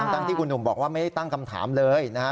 ที่คุณหนุ่มบอกว่าไม่ได้ตั้งคำถามเลยนะฮะ